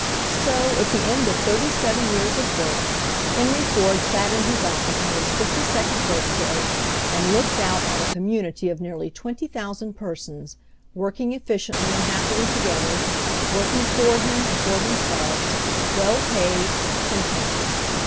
So, at the end of thirty seven years of work, 166 HENRY FORD'S OWN STORY Henry Ford sat in his office on his fifty second birthday and looked outfit a community of nearly 20,000 persons, working efficiently and happily together, working for him and for them selves, well paid, contented.